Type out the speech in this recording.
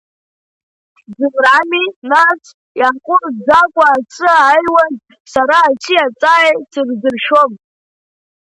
Ӡынрами, нас, иааҟәымҵӡакәа асы аҩуаз, сара аси аҵааи сырзыршәом.